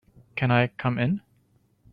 Can I come in?